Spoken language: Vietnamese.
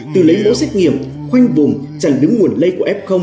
từ lấy mối xét nghiệm khoanh vùng chặn đứng nguồn lây của f